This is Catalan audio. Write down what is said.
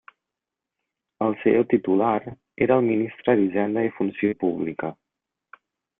El seu titular era el ministre d'Hisenda i Funció Pública.